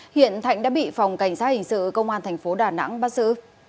hiện thạnh đã bị phòng cảnh sát hình sự công an thành phố đà nẵng bắt giữ